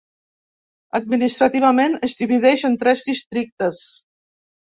Administrativament, es divideix en tres districtes: